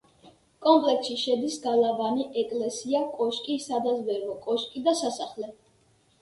კომპლექსში შედის: გალავანი, ეკლესია, კოშკი, სადაზვერვო კოშკი და სასახლე.